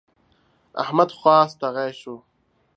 احمد خوا ستغی شو.